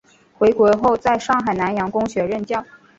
回国后在上海南洋公学任教。